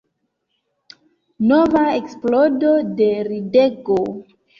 Nova eksplodo de ridego.